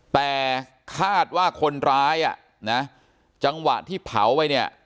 แต่คาดว่าคนร้ายอ่ะนะจังหวะที่เผาไปเนี่ย